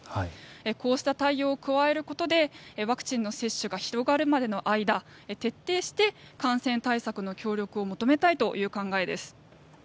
こうした対応を加えることでワクチンの接種が広がるまでの間徹底して感染対策の協力を求めたいという考えです。